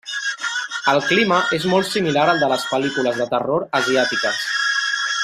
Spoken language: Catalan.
El clima és molt similar al de les pel·lícules de terror asiàtiques.